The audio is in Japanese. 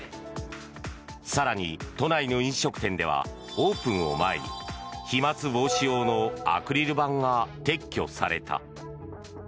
更に、都内の飲食店ではオープンを前に飛まつ防止用のアクリル板が撤去された。